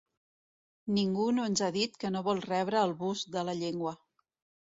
Ningú no ens ha dit que no vol rebre el bus de la llengua.